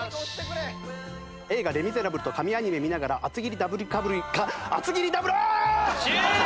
映画レミゼラブルと神アニメ観ながら厚切りダブリカルブリカ厚切りダブルあーっ！終了！